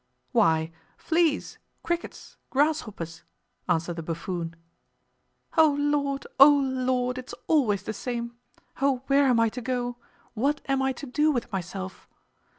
"Why, fleas, crickets, grasshoppers," answered the buffoon. "O Lord, O Lord, it's always the same! Oh, where am I to go? What am I to do with myself?"